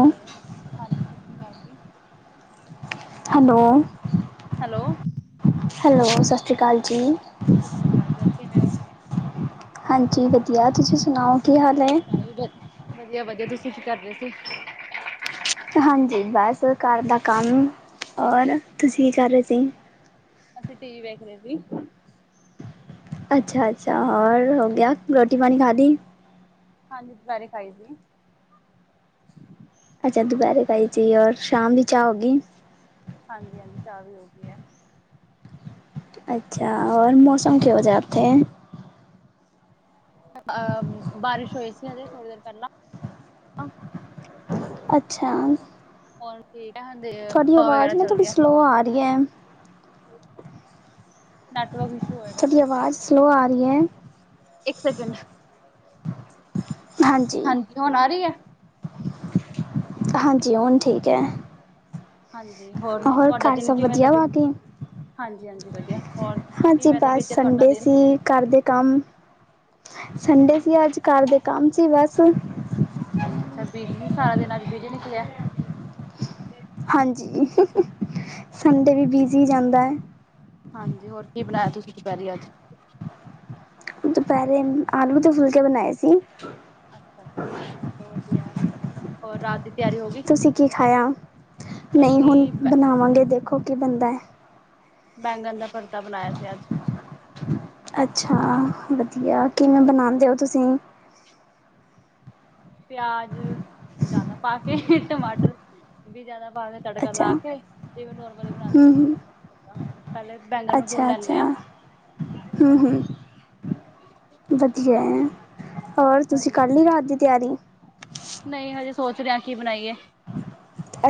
Hello ਹਾਂਜੀ, ਸਤਿ ਸ੍ਰੀ ਅਕਾਲ ਜੀ। ਹੈਲੋ। ਹੈਲੋ, ਹੈਲੋ ਸ਼੍ਰੀ ਅਕਾਲ ਜੀ ਸਤਿ ਸ਼੍ਰੀ ਅਕਾਲ। ਕਿਵੇ ਓ? ਹਾਂਜੀ ਵਧੀਆ, ਤੁਸੀਂ ਸੁਣਾਓ ਕੀ ਹਾਲ ਐ? [inaudible] ਵਧੀਆ-ਵਧੀਆ ਤੁਸੀ ਕੀ ਕਰਦੇ ਸੀ? ਹਾਂਜੀ, ਬਸ ਘਰ ਦਾ ਕੰਮ ਔਰ ਤੁਸੀਂ ਕੀ ਕਰ ਰੇਸੀ? ਅਸੀਂ ਟੀਵੀ ਵੇਖ ਰੇ ਸੀ। ਅੱਛਾ-ਅੱਛਾ, ਹੋਰ ਹੋ ਗਯਾ ਰੋਟੀ-ਪਾਣੀ ਖਾਲੀ। ਹਾਂਜੀ, ਦੁਪੈਰੇ ਖਾਈ ਸੀ। ਅੱਛਾ, ਦੁਪੈਰੇ ਖਾਈ ਸੀ ਔਰ ਸ਼ਾਮ ਵੀ ਚਾਹ ਹੋਗੀ? ਹਾਂਜੀ-ਹਾਂਜੀ, ਚਾਹ ਵੀ ਹੋ ਗਈ ਐ। ਅੱਛਾ ਔਰ ਮੌਸਮ ਕਿਹੋ ਜਾ ਓਥੇ? ਅ ਬਾਰਿਸ਼ ਹੋਈ ਸੀ ਅਜੇ ਥੋੜੀ ਦੇਰ ਪੈਲਾਂ। ਅੱਛਾ। ਹੋਣ ਠੀਕੈ, [unintelligible] ਵਗੈਰਾ ਚੱਲਦੀ ਆ। ਓ ਆ ਰਿਐ। Network issue. ਹੋਏਗਾ ਤੁਆਡੀ ਫਿਰ। ਆਵਾਜ਼ ਸਲੋਅ ਆ ਰੀਐ। ਇੱਕ ਸੈਕਿੰਡ ਹਾਂਜੀ। ਹੁਣ ਆ ਰਹੀ ਹੈ? ਹਾਂਜੀ, ਹੈ ਹੁਣ ਠੀਕ ਐ। ਹਾਂਜੀ, ਹੋਰ ਤੁਹਾਡਾ ਘਰ ਦਿਨ ਸਭ ਕਿਵੇਂ ਦਾ ਵਧੀਆ ਬੀ ਬਾਕੀ? ਹਾਂਜੀ-ਹਾਂਜੀ ਵਧੀਆ, ਹੋਰ ਹਾਂਜੀ, ਕਿਵੇਂ ਦਾ ਬਸ ਬੀਤਿਆ ਤੁਹਾਡਾ ਸੰਡੇ ਦਿਨ? ਸੀ, ਘਰ ਦੇ ਕੰਮ, ਸੰਡੇ ਸੀ ਅੱਜ ਘਰ ਦੇ ਕੰਮ ਸੀ ਬਸ। ਅੱਛਾ, ਬੀਜੀ ਸੀ ਸਾਰਾ ਦਿਨ, ਅੱਜ ਬੀਜੀ ਨਿਕਲਿਆ। ਹਾਂਜੀ, ਸੰਡੇ ਵੀ ਬਿਜੀ ਜਾਂਦਾ ਐ। ਹਾਂਜੀ, ਹੋਰ ਕੀ ਬਣਾਇਆ ਤੁਸੀਂ ਦੁਪਹਿਰੇ ਅੱਜ? ਦੁਪਹਿਰੇ ਆਲੂ ਤੇ ਫੁਲਕੇ ਬਣਾਏ ਸੀ। ਅੱਛਾ -ਅੱਛਾ ਚਲੋ ਵਧੀਆ। ਹੋਰ ਰਾਤ ਦੀ ਤਿਆਰੀ ਹੋ ਗਈ? ਤੁਸੀਂ ਕੀ ਖਾਇਆ? ਨਹੀਂ ਹੁਣ ਅਸੀਂ ਬੈ ਬਣਾਵਾਂਗੇ ਦੇਖੋ ਕੀ ਬਣਦਾ ਹੈ। ਬੈਂਗਣ ਦਾ ਭਰਥਾ ਬਣਾਇਆ ਸੀ ਅੱਜ। ਅੱਛਾ, ਵਧੀਆ ਕਿਵੇਂ ਬਣਾਉਂਦੇ ਹੋ ਤੁਸੀਂ? ਪਿਆਜ਼ ਜ਼ਿਆਦਾ ਪਾ ਕੇ ਟਮਾਟਰ ਵੀ ਜ਼ਿਆਦਾ ਪਾ ਕੇ, ਤੜਕਾ ਅੱਛਾ ਲਾ ਕੇ ਤੇ ਨੋਰਮਲੀ ਬਣਾਂਦੇ ਹੂੰ ਆ ਹੂੰ ਮੰਮਾ ਭਰਥਾ। ਪਹਿਲੇ ਬੈਂਗਣ ਨੂੰ ਭੁੰਨ ਅੱਛਾ ਲੈਨੇ ਆ। ਅੱਛਾ ਹੂੰ ਹੂੰ ਵਧੀਆ ਹੈ, ਹਾਂਜੀ। ਹੋਰ ਤੁਸੀਂ ਹਾਂਜੀ। ਕਰ ਲਈ ਰਾਤ ਦੀ ਤਿਆਰੀ? ਨਹੀਂ, ਹਜੇ ਸੋਚ ਰਹੇ ਆ ਕੀ ਬਣਾਈਏ।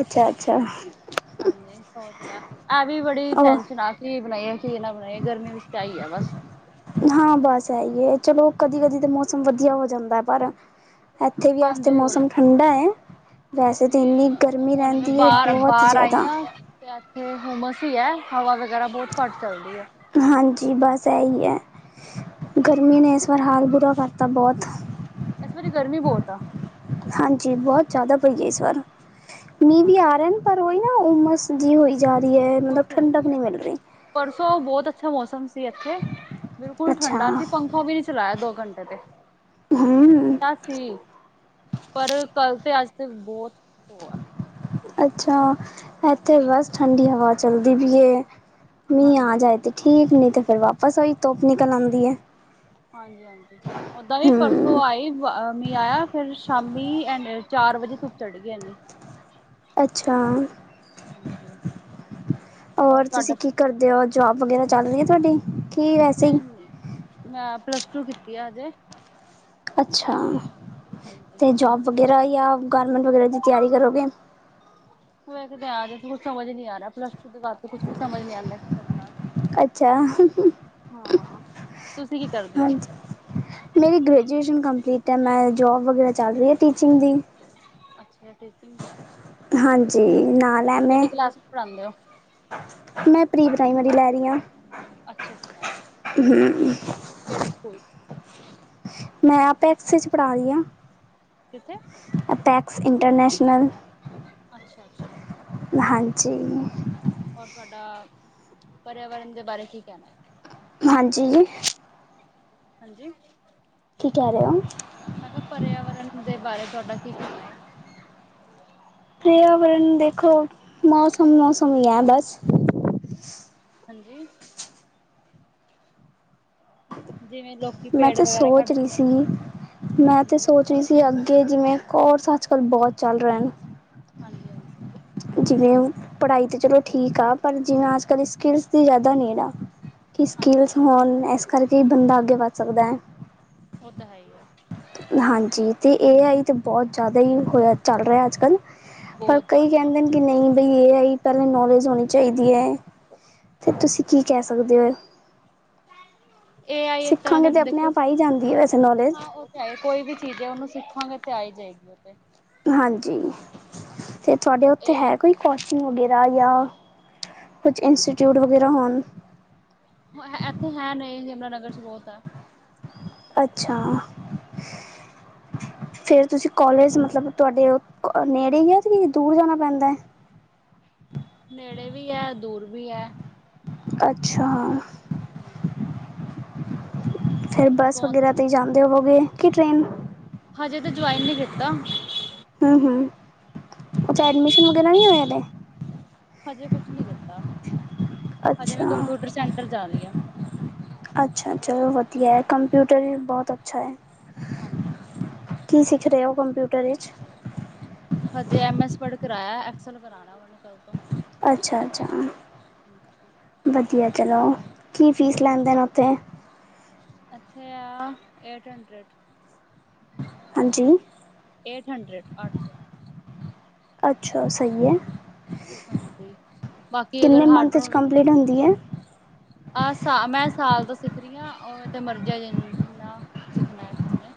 ਅੱਛਾ- ਅੱਛਾ। ਹਾਂਜੀ, ਸੋਚ ਲਿਆ ਐ ਵੀ ਬੜੀ ਉਹ ਟੈਸ਼ਨ ਆ। ਕੀ ਬਣਾਈਏ ਕੀ ਨਾ, ਬਣਾਈਏ ਗਰਮੀਆਂ ਵਿੱਚ ਤਾਂ ਆਈ ਆ ਬਸ। ਹਾਂ, ਬਸ ਐ ਹੀ ਹੈ, ਚਲੋ ਕਦੀ- ਕਦੀ ਤਾਂ ਮੌਸਮ ਵਧੀਆ ਹੋ ਜਾਂਦਾ ਹੈ ਪਰ ਇੱਥੇ ਵੀ ਅੱਜ ਤੇ ਹਾਂਜੀ ਮੌਸਮ ਠੰਡਾ ਐ। ਵੈਸੇ ਤਾਂ ਨਹੀਂ ਇੰਨੀ ਗਰਮੀ ਹੁਣ ਮੈਂ ਰਹਿੰਦੀ ਹੈ, ਬਾਹਰ ਬਹੁਤ ਬਾਹਰ ਆਈ ਜ਼ਿਆਦਾ। ਹਾਂ ਤੇ ਇੱਥੇ ਹੋਮਸ ਹੀ ਹੈ, ਹਵਾ ਵਗੈਰਾ ਬਹੁਤ ਘੱਟ ਚੱਲਦੀ ਹੈ। ਹਾਂਜੀ ਬਸ ਇਹੀ ਹੈ, ਗਰਮੀ ਨੇ ਹਾਂਜੀ ਇਸ ਵਾਰ ਹਾਲ ਬੁਰਾ ਕਰਤਾ ਬਹੁਤ। ਇਸ ਵਾਰੀ ਗਰਮੀ ਬਹੁਤ ਆ। ਹਾਂਜੀ, ਬਹੁਤ ਜ਼ਿਆਦਾ ਪਈ ਹੈ ਇਸ ਵਾਰ, ਮੀਂਹ ਵੀ ਆ ਹਾਂਜੀ ਰਹੇ ਨੇ, ਪਰ ਉਈ ਨਾ ਹੋਮਸ ਜੀ ਹੋਈ ਜਾ ਰਹੀ ਹੈ, ਉਮਸ ਮਤਲਬ ਹੋ ਠੰਡਕ ਹੈ ਨਹੀਂ ਮਿਲ ਰਹੀ। ਪਰਸੋਂ ਬਹੁਤ ਅੱਛਾ ਮੌਸਮ ਸੀ, ਇੱਥੇ ਬਿਲਕੁਲ ਅੱਛਾ ਠੰਡਾ ਸੀ ਪੰਖਾ ਵੀ ਨਹੀਂ ਚਲਾਇਆ ਦੋ ਘੰਟੇ ਤੇ, ਕਿਉਂਕਿ ਹੂੰ ਠੰਡਾ ਸੀ ਪਰ ਕੱਲ ਤੇ ਅੱਜ ਤੇ ਬਹੁਤ ਉਹ ਆ। ਅੱਛਾ, ਇਥੇ ਬਸ ਠੰਡੀ ਹਵਾ ਚੱਲਦੀ ਪਈ ਐ। ਮੀਂਹ ਹਾਂਜੀ ਆ ਜਾਏ ਤੇ ਠੀਕ, ਨੀ ਤੇ ਫੇਰ ਵਾਪਸ ਆਈ ਧੁੱਪ ਨਿਕਲ ਆਉਂਦੀ ਐ। ਹਾਂਜੀ-ਹਾਂਜੀ ਓਦਾਂ ਵੀ ਪਰਸੋਂ ਹੂੰ ਆਈ, ਮੀਂਹ ਆਇਆ ਫਿਰ ਸ਼ਾਮੀ, ਐਵੇਂ ਚਾਰ ਵਜੇ ਧੁੱਪ ਚੜ੍ਹ ਗਈ ਐਨੀ। ਅੱਛਾ, ਹਾਂਜੀ ਹੋਰ ਤੁਸੀਂ ਕੀ ਕਰਦੇ ਹੋ, ਜੋਬ ਵਗੈਰਾ ਚੱਲ ਰਹੀ ਹੈ ਤੁਹਾਡੀ? ਕੀ ਵੈਸੇ ਹੀ ਨਹੀਂ-ਨਹੀਂ ਮੈਂ ਪਲੱਸ ਟੂ ਕੀਤੀ ਆ ਹਜੇ। ਅੱਛਾ, ਹਾਂਜੀ ਤੇ ਜੋਬ ਵਗੈਰਾ ਜਾਂ ਗਾਰਮੈਂਟ ਵਗੈਰਾ ਦੀ ਤਿਆਰੀ ਕਰੋਗੇ? ਵੇਖਦੇ ਆ ਜਾ ਕੁਛ ਸਮਝ ਨੀ ਆ ਰਿਹਾ, ਪਲੱਸ ਟੂ ਦੇ ਬਾਅਦ। ਕੁਛ, ਵੀ ਸਮਝ ਨੀ ਆਂਦਾਂ ਕਰਨ ਨਾਲ। ਅੱਛਾ ਹਾਂ, ਤੁਸੀਂ ਕੀ ਕਰਦੇ ਹੋ ਅੱਜ? ਹਾਂਜੀ ਮੇਰੀ ਗ੍ਰੈਜੂਏਸ਼ਨ ਕੰਪਲੀਟ ਹੈ, ਮੈਂ ਜੋਬ ਵਗੈਰਾ ਚੱਲ ਰਹੀ ਹੈ ਟੀਚਿੰਗ ਦੀ। ਅੱਛੇਆ ਟੀਚਿੰਗ ਹਾਂਜੀ, ਨਾਲ ਐ ਮੈਂ ਕੇੜੀ ਕਲਾਸ ਵਿਚ ਪੜਾਂਦੇ ਓਂ। ਮੈਂ ਪ੍ਰੀ-ਪ੍ਰਾਈਮਰੀ ਲੈ ਰਈ ਆਂ। ਅੱਛਾ-ਅੱਛਾ। ਹੂੰ। ਕੇੜੇ ਸਕੂਲ ਮੈਂ ਅਪੈਕਸ ਚ ਪੜਾ ਰਈ ਆਂ। ਕਿੱਥੇ ਅਟੈਕਸ ਇੰਟਰਨੈਸ਼ਨਲ। ਅੱਛਾ-ਅੱਛਾ। ਹਾਂਜੀ। ਹੋਰ ਤੁਆਡਾ ਪਰਿਆਵਰਨ ਦੇ ਬਾਰੇ ਕੀ ਕੈਨਾ। ਹਾਂਜੀ ਜੀ। ਹਾਂਜੀ। ਕੀ ਕੈ ਰਏ ਓਂ। ਮੈਂ ਕਿਆ ਪਰਿਆਵਰਨ ਦੇ ਬਾਰੇ ਤੁਆਡਾ ਕੀ ਕੈਨਾ ਏ। ਪਰਿਆਵਰਨ ਦੇਖੋ, ਮੌਸਮ-ਮੌਸਮ ਈ ਐ ਬਸ। ਹਾਂਜੀ। ਜਿਵੇਂ ਲੋ ਮੈਂ ਤੇ ਸੋਚ ਰੀ ਸੀ, ਮੈਂ ਤੇ ਹਾਂਜੀ ਸੋਚ ਤੁਸੀਂ ਅੱਗੇ ਜਿਵੇਂ ਕੋਰਸ ਅੱਜ-ਕੱਲ੍ਹ ਬੋਤ ਚੱਲ ਰੇਆ ਨਾ। ਹਾਂਜੀ-ਹਾਂਜੀ। ਜਿਵੇਂ ਪੜਾਈ ਤਾਂ ਚਲੋ ਠੀਕ ਆ ਪਰ ਜਿਵੇਂ ਅੱਜ-ਕੱਲ ਸਕਿੱਲਸ ਦੀ ਜਾਦਾ ਨੀਡ ਐ। ਕੀ ਹਾਂਜੀ ਸਕਿੱਲਸ ਹੋਨ, ਏਸ ਕਰਕੇ ਈ ਬੰਦਾ ਅੱਗੇ ਵੱਦ ਸਕਦੈ। ਓ ਤਾਂ ਹੈਈ ਐ। ਹਾਂਜੀ ਤੇ ਏ ਆਈ ਤੇ ਬੋਤ ਜਾਦਾ ਈ ਹੋਇਆ ਚੱਲ ਰਿਆ ਅੱਜ-ਕੱਲ। ਪਰ ਬਹੁਤ ਕਈ ਜ਼ਿਆਦਾ ਕੈਂਦੇ ਨੇ ਕੇ ਨਈ ਬਈ ਏ ਆਈ ਪੈਲਾਂ ਨੌਲੇਜ ਹੋਨੀ ਚਾਈਦੀ ਐ, ਤੇ ਤੁਸੀਂ ਕੀ ਕੈ ਸਕਦੇ ਓਂ। ਏ ਆਈ ਏਸ ਤਰਾਂ ਸਿੱਖਾਂਗੇ ਦਾ ਤਾਂ ਆਪਣੇ ਦੇਖੋ, ਆਪ ਆ ਹੀ ਜਾਂਦੀ ਹੈ ਵੈਸੇ ਨੌਲੇਜ ਹਾਂ ਓ ਚਾਏ ਕੋਈ ਵੀ ਚੀਜ਼ ਐ ਓਨੂੰ ਸਿੱਖਾਂਗੇ ਤੇ ਆਈ ਜਾਏਗੀ ਓ ਤੇ। ਹਾਂਜੀ, ਤੇ ਤੁਆਡੇ ਓਥੇ ਇਹ ਹੈ ਕੋਈ। ਕੋਚਿੰਗ ਵਗੈਰਾ ਜਾਂ ਕੁਝ ਇੰਸਟੀਟਿਊਟ ਵਗੈਰਾ ਹਨ। ਹਾਂ ਐਥੇ ਹੈ ਨਈ ਯਮੁਨਾਨਗਰ ਚ ਬੋਤ ਆ। ਅੱਛਾ। ਠੀਕ ਆ। ਫੇਰ ਤੁਸੀਂ ਕੋਲੇਜ ਮਤਲਬ ਤੁਆਡੇ ਨੇੜੇ ਈ ਐ ਤੇ ਕੀ ਦੂਰ ਜਾਨਾ ਪੈਂਦਾ। ਨੇੜੇ ਵੀ ਐ ਦੂਰ ਵੀ ਐ। ਅੱਛਾ। ਨੇੜੇ ਫਿਰ ਬੱਸ ਵਗੈਰਾ ਤੇ ਈ ਜਾਂਦੇ ਹੋਵੋਗੇ ਕੇ ਟ੍ਰੇਨ ਹਜੇ ਤਾਂ ਜੁਆਇਨ ਨੀ ਕੀਤਾ। ਹੂੰ-ਹੂੰ, ਅੱਛਾ ਐਡਮਿਸ਼ਨ ਵਗੈਰਾ ਨੀ ਹੋਏ ਹਲੇ। ਹਜੇ ਕੁਛ ਨੀ ਦਿੱਤਾ, ਹਜੇ ਅੱਛਾ ਮੈਂ ਕੰਪਿਊਟਰ ਸੈਂਟਰ ਜਾਨੀ ਆਂ। ਅੱਛਾ ਚਲੋ ਵਦੀਆ ਕੰਪਿਊਟਰ ਵੀ ਬੋਤ ਅੱਛਾ ਐ। ਹਾਂਜੀ। ਕੀ ਸਿੱਖ ਰੇ ਓ ਕੰਪਿਊਟਰ ਏਚ? ਹਜੇ ਐੱਮ ਐੱਸ ਵਰਡ ਕਰਾਇਆ, ਐਕਸਲ ਕਰਾਣਾ ਓਨੇ ਕੱਲ ਤੋਂ। ਅੱਛਾ-ਅੱਛਾ। ਵਧੀਆ ਚਲੋ, ਕੀ ਫੀਸ ਲੈਂਦੇ ਨੇ ਓਥੇ? ਐਥੇ ਆ ਏਟ ਹੰਡਰਟ। ਹਾਂਜੀ ਏਟ ਹੰਡਰਡ, ਅੱਠ ਸੌ। ਅੱਛਾ, ਸਹੀ ਏ। ਹਾਂਜੀ ਬਾਕੀ ਅਗਰ ਕਿੰਨੇ ਮੰਥ ਚ ਹਾਰਡਰੋ ਕੰਪਲੀਟ ਹੁੰਦੀ ਏ? ਆਹ ਸਾਲ, ਮੈਂ ਸਾਲ ਦਾ ਸਿੱਖ ਰੀ ਆ ਓਵੇਂ ਤੇ ਮਰਜੀ ਆ ਜਿ -ਜਿਨਾਂ ਸਿੱਖਣਾ ਏ ਕਿਸੀ ਨੇ।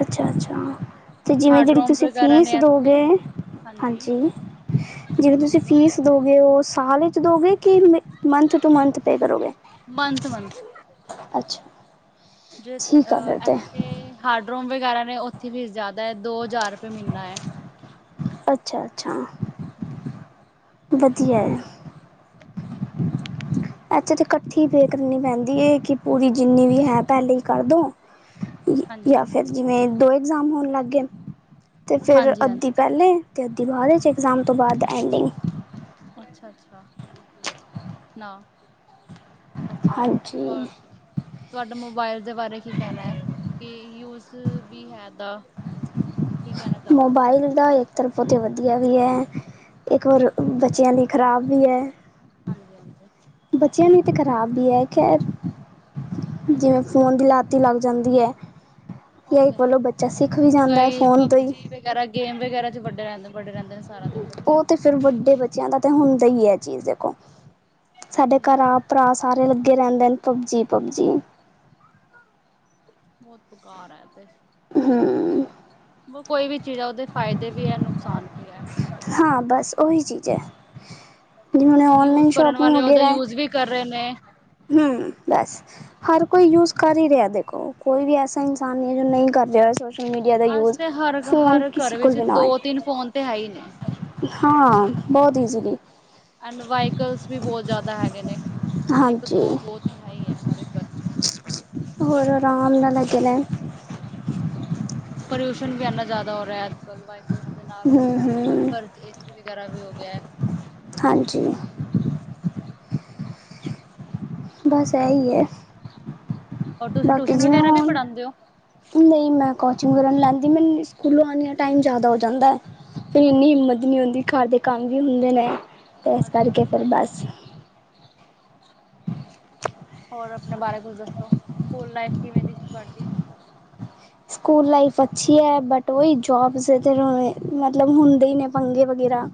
ਅੱਛਾ - ਅੱਛਾ। ਤੇ ਜਿਵੇਂ ਹਾਰਡ ਜੇੜੀ ਰੋਮ ਤੁਸੀਂ ਵਗੈਰਾ ਫੀਸ ਨੇ ਦੋ ਇੱਥੇ ਗੇ, ਹਾਂਜੀ। ਜਿਵੇਂ ਬੋਲੋ ਤੁਸੀਂ ਬੋਲੋ ਫੀਸ ਦੋਗੇ ਓ ਸਾਲ ਇਚ ਦੋਗੇ ਕਿ ਮੰਥ ਟੂ ਮੰਥ ਪੇ ਕਰੋਗੇ? ਮੰਥ ਮੰਥ ਅੱਛਾ। ਜੇ ਠੀਕ ਆ ਅ ਫਿਰ ਤੇ ਐਥੇ ਹਾਰਡਰੋਮ ਵਗੈਰਾ ਨੇ ਉੱਥੇ ਫੀਸ ਜਾਦਾ ਐ, ਦੋ ਹਜ਼ਾਰ ਰੁਪੇ ਮੀਂਨਾ ਐ। ਅੱਛਾ-ਅਛਾ। ਹੂੰ। ਵਧੀਆ ਏ। [inaudible] ਐਥੇ ਤੇ ਕੱਠੀ ਪੇ ਕਰਨੀ ਪੈਂਦੀ ਏ ਕਿ ਪੂਰੀ ਜਿੰਨੀ ਵੀ ਹੈ ਪੈਲੇ ਈ ਕਰ ਦੋ ਹਾਂਜੀ ਯਾਂ ਫੇਰ ਜਿਵੇਂ ਦੋਂ ਇਗਜ਼ਾਮ ਹੋਨ ਲੱਗ ਗੇਨ। ਤੇ ਫੇਰ ਹਾਂਜੀ ਅੱਧੀ ਹਾਂਜੀ ਪੈਲੇ ਤੇ ਅੱਧੀ ਬਾਅਦ ਏਚ ਇਗਜ਼ਾਮ ਤੋਂ ਬਾਅਦ ਐਂਡਿੰਗ। ਅੱਛਾ-ਅੱਛਾ, [unintelligible] ਨਾ। ਅੱਛਾ, ਹਾਂਜੀ ਹੋਰ ਤੁਆਡਾ ਮੋਬਾਇਲ ਦੇ ਬਾਰੇ ਕੀ ਕੈਂਨਾ ਏ ਕਿ ਯੂਜ ਵੀ ਹੈ ਐਦਾ? ਮੋਬਾਈਲ ਦਾ ਏ ਏਕ ਤਰਫੋਂ ਤੇ ਵਧੀਆ ਵੀ ਐ, ਏਕ ਵਾਰ ਬੱਚਿਆਂ ਲਈ ਖ਼ਰਾਬ ਵੀ ਐ। ਹਾਂਜੀ-ਹਾਂਜੀ। ਬੱਚਿਆਂ ਲਈ ਤੇ ਖਰਾਬ ਵੀ ਐ ਖੈਰ ਜਿਵੇਂ ਹਮ ਫੋਨ ਦੀ ਲਤ ਈ ਲੱਗ ਜਾਂਦੀ ਐ ਉਹ ਯਾਂ ਤਾਂ ਇੱਕ ਹੈ ਵੱਲੋਂ ਬੱਚਾ ਸਿੱਖ ਵੀ ਜਾਂਦਾ ਐ ਕਈ ਫ਼ੋਨ ਤੋਂ ਈ। ਪਬਜੀ ਵਗੈਰਾ ਗੇਮ ਵਗੈਰਾ ਚ ਵਡੇ ਰੈਂਦੇ ਵੜੇ ਰੈਂਦੇ ਨੇ ਸਾਰਾ ਦਿਨ ਬੱਚੇ। ਚਲ ਵੱਡੇ ਬੱਚਿਆਂ ਦਾ ਤਾਂ ਹੁੰਦਾ ਈ ਐ ਚੀਜ਼ ਦੇਖੋ, ਸਾਡੇ ਹਮ ਘਰ ਆਪ ਭਰਾ ਸਾਰੇ ਲੱਗੇ ਰੈਂਦੇਨ ਪਬਜੀ- ਪਬਜੀ। ਬੋਤ ਬਕਾਰ ਐ ਤੇ। ਹੂੰ। ਵ ਕੋਈ ਵੀ ਚੀਜ਼ ਐ ਉਦੇ ਫਾਇਦੇ ਵੀ ਐ, ਨੁਕਸਾਨ ਵੀ ਐ। ਹਾਂ, ਬਸ ਉਹੀ ਚੀਜ਼ ਐ। ਜਿਵੇਂ ਹੁਣ ਐ ਯੂਜ ਔਨਲਾਈਨ ਕਰਨ ਸ਼ੋਪਿੰਗ ਵਾਲੇ ਉਹਦਾ ਵਗੈਰਾ ਐ ਯੂਜ ਵੀ ਕਰ ਰਏ ਨੇ। ਹੂੰ, ਬਸ ਹਰ ਕੋਈ ਯੂਜ ਕਰ ਈ ਰਿਆ ਦੇਖੋ, ਕੋਈ ਵੀ ਐਸਾ ਇਨਸਾਨ ਨੀ ਐ ਜੋ ਨਈ ਕਰ ਰਿਆ ਸੋਸਲ ਮੀਡੀਆ ਦਾ ਅੱਜ ਯੂਜ਼ ਤੇ ਹਰ ਫੋਨ ਹਰ ਕਿਸੇ ਘਰ ਕੋਲ ਵਿੱਚ ਵੀ ਨਾ ਹੋਏ। ਦੋ ਤਿੰਨ ਫੋਨ ਤੇ ਹੈ ਹੀ ਨੇ ਹਾਂ, ਬੋਤ ਇੱਜੀਲੀ। ਐਂਡ ਵਾਈਕਲਸ ਵੀ ਬੋਤ ਜਾਦਾ ਹੈਗੇ ਨੇ ਹਾਂਜੀ ਏਕ-ਦੋ, ਦੋ ਤੇ ਹੈ ਈ ਐ ਹਰ ਏਕ ਘਰ ਚ। ਫੇਰ ਆਰਾਮ ਨਾਲ ਲੱਗੇ ਰੈਂਨ। ਪੋਲਿਊਸ਼ਨ ਵੀ ਇੰਨਾ ਜ਼ਿਆਦਾ ਹੋ ਰਿਹਾ ਅੱਜ-ਕੱਲ ਵ ਉਸਦੇ ਨਾਲ ਹਮ ਲੋਕੀ ਹਰ ਹਮ ਘਰ ਚ ਏਸੀ ਵਗੈਰਾ ਵੀ ਹੋ ਗਿਆ ਐ। ਹਾਂਜੀ। ਬਸ ਏਹੀ ਐ। ਔਰ ਤੁਸੀਂ ਬਾਕੀ ਟਿਊਸ਼ਨ ਜਿਵੇਂ ਵਗੈਰਾ ਵੀ ਹੁਣ ਪੜ੍ਹਾਉਂਦੇ ਹੋ ਨਹੀਂ ਮੈਂ ਕੋਚਿੰਗ ਕਰਨ ਵਗੈਰਾ ਨੀਂ ਲਾਂਦੀ ਮੈਨੂੰ ਸਕੂਲੋਂ ਆਉਣੀ ਆ ਟਾਈਮ ਜਿਆਦਾ ਹੋ ਜਾਂਦਾ ਹੈ। ਫਿਰ ਇੰਨੀ ਹਿੰਮਤ ਨੀ ਹੁੰਦੀ ਘਰ ਦੇ ਕੰਮ ਵੀ ਹੁੰਦੇ ਨੇ। ਤੇ ਇਸ ਕਰਕੇ ਫਿਰ ਅੱਛਾ-ਅੱਛਾ। ਬਸ [inaudible] [unintelligible] ਹੋਰ ਆਪਣੇ ਬਾਰੇ ਕੁਛ ਦੱਸੋ, ਸਕੂਲ ਲਾਈਫ ਕਿਵੇਂ ਦੀ ਸੀ ਤੁਹਾਡੀ। ਸਕੂਲ ਲਾਈਫ ਅੱਛੀ ਹੈ ਬਟ ਓਹੀ ਜੋਬਸ ਮਤਲਬ ਹੁੰਦੇ ਹੀ ਨੇ ਪੰਗੇ ਵਗੈਰਾ,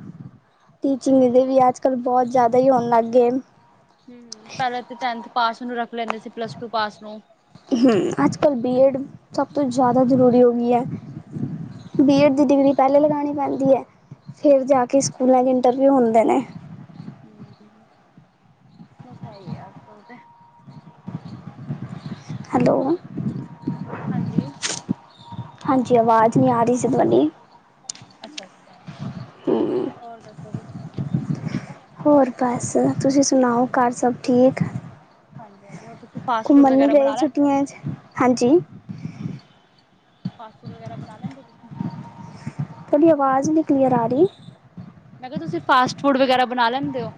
ਉਹ ਤਾਂ ਹੈ ਟੀਚਿੰਗ ਹੀ। ਦੇ ਵੀ ਅੱਜ-ਕੱਲ ਬਹੁਤ ਜਿਆਦਾ ਹੀ ਹੋਣ ਲੱਗ ਗਏ। ਹੂੰ-ਹੂੰ ਪਹਿਲਾਂ ਤਾ ਟੈਨਥ ਪਾਸ ਨੂੰ ਰੱਖ ਲੈਂਦੇ ਸੀ ਪਲੱਸ ਟੂ ਪਾਸ ਨੂੰ। ਹੁਣ ਹੂੰ ਤੇ ਬਹੁਤ ਟੈਨਥ ਅੱਜ-ਕੱਲ ਆ ਗਏ ਨਾ। ਬੀਐਡ ਸਭ ਤੋਂ ਜ਼ਿਆਦਾ ਜ਼ਰੂਰੀ ਹੋ ਗਈ ਹੈ। ਬੀ ਐਡ ਹੂੰ ਦੀ ਡਿਗਰੀ ਪਹਿਲੇ ਲਗਾਉਣੀ ਪੈਂਦੀ ਹੈ ਫਿਰ ਜਾ ਕੇ ਸਕੂਲਾਂ ਚ ਇੰਟਰਵਿਊ ਹੁੰਦੇ ਨੇ। ਹੂੰ, ਸਹੀ ਆ ਅੱਜ-ਕੱਲ ਤੇ। ਹੈਲੋ ਹਾਂਜੀ। ਹਾਂਜੀ ਆਵਾਜ਼ ਨਹੀਂ ਆ ਰਹੀ ਸੀ ਤੁਹਾਡੀ। ਅੱਛਾ-ਅੱਛਾ ਹੂੰ, ਹੋਰ ਦੱਸੋ ਕੁਛ ਹੋਰ ਬਸ ਤੁਸੀਂ ਸੁਣਾਓ ਘਰ ਸਭ ਠੀਕ। ਹਾਂਜੀ ਹੋਰ ਤੁਸੀਂ ਫਾਸਟ ਫੂਡ ਘੁੰਮਣ ਨੀ ਵਗੈਰਾ ਗਏ ਬਣਾ ਲੈ ਛੁੱਟੀਆਂ ਚ, ਹਾਂਜੀ। ਫਾਸਟ ਫੂਡ ਵਗੈਰਾ ਬਣਾ ਲੈਂਦੇ ਤੁਸੀਂ। ਥੋਡੀ ਆਵਾਜ਼ ਨੀ ਕਲੀਅਰ ਆ ਰਹੀ। ਮੈਂ ਕਿਹਾ ਤੁਸੀਂ ਫਾਸਟ ਫੂਡ ਵਗੈਰਾ ਬਣਾ ਲੈਂਦੇ ਹੋ।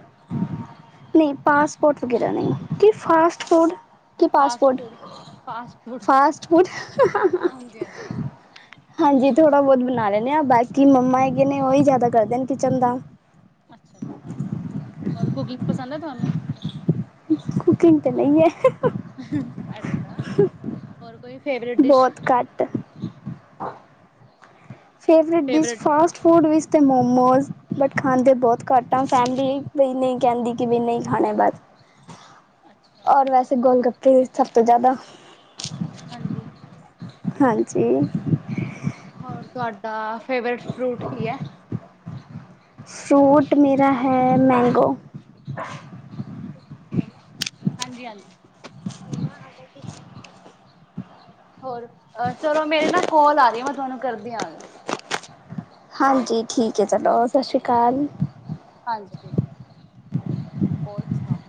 ਨਹੀਂ ਪਾਸਪੋਰਟ ਵਗੈਰਾ ਨਹੀਂ, ਕਿ ਫਾਸਟ ਫੂਡ? ਕਿ fast passport, food fast food? Fast food. ਹਾਂਜੀ ਹਾਂਜੀ। ਹਾਂਜੀ ਥੋੜ੍ਹਾ ਬਹੁਤ ਬਣਾ ਲੈਂਣੇ ਆ ਬਾਕੀ ਮੰਮਾ ਹੈਗੇ ਨੇ ਉਹੀ ਜ਼ਿਆਦਾ ਕਰਦੇ ਨੇ ਕਿਚਨ ਦਾ। ਅੱਛਾ-ਅੱਛਾ ਔਰ ਕੁਕਿੰਗ ਪਸੰਦ ਹੈ ਤੁਹਾਨੂੰ। ਕੁਕਿੰਗ ਤੇ ਨਹੀਂ ਐ। ਅੱਛਾ, ਹੋਰ ਕੋਈ ਫੇਵਰੇਟ ਡਿਸ਼। ਬਹੁਤ ਘੱਟ, ਫੇਵਰੇਟ ਡਿਸ਼ ਫਾਸਟ ਫੂਡ ਵਿੱਚ ਤੇ ਮੋਮੋਸ ਬਟ ਖਾਂਦੇ ਬਹੁਤ ਘੱਟ ਆ ਫੈਮਲੀ ਵੀ ਨਹੀਂ ਕਹਿੰਦੀ ਕਿ ਵੀ ਨਹੀਂ ਖਾਣੇ ਬਸ ਅੱਛਾ ਔਰ ਵੈਸੇ ਗੋਲ ਗੱਪੇ ਸਭ ਤੋਂ ਜ਼ਿਆਦਾ। ਹਾਂਜੀ, ਹਾਂਜੀ ਹੋਰ। ਤੁਹਾਡਾ ਫੇਵਰੇਟ ਫਰੂਟ ਕੀ ਐ? ਫਰੂਟ ਮੇਰਾ ਹੈ ਮੈਂਗੋ। ਹਾਂਜੀ-ਹਾਂਜੀ‌। [inaudible] ਹੋਰ, ਅ ਚਲੋ ਮੇਰੇ ਨਾ ਕਾੱਲ ਆ ਰਹੀ ਹੈ ਮੈਂ ਤੁਹਾਨੂੰ ਕਰਦੀ ਹਾਂ। ਹਾਂਜੀ ਠੀਕ ਹੈ ਚਲੋ ਸਤਿ ਸ਼੍ਰੀ ਅਕਾਲ। ਹਾਂਜੀ। ਹੋਰ ਸਣਾਓ।